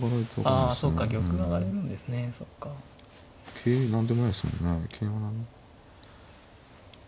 桂何でもないですもんね。